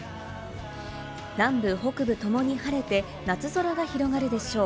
南部、北部ともに晴れて夏空が広がるでしょう。